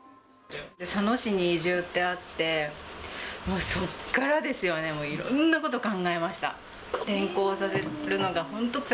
佐野市に移住ってあって、そこからですよね、もういろんなこと考えました。